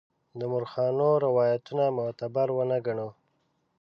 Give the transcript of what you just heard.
د مورخانو روایتونه معتبر ونه ګڼو.